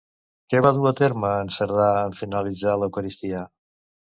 Què va dur a terme en Cerdà en finalitzar l'eucaristia?